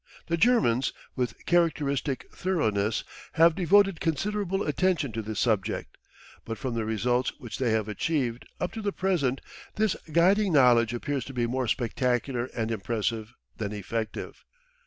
The Germans, with characteristic thoroughness, have devoted considerable attention to this subject, but from the results which they have achieved up to the present this guiding knowledge appears to be more spectacular and impressive than effective.